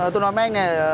tôi nói với anh này